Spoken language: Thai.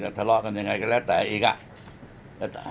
ทะเลาะกันยังไงก็แล้วแต่อีกอ่ะ